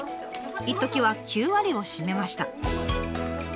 いっときは９割を占めました。